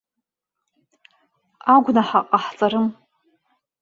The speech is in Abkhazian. Агәнаҳа ҟаҳҵарым!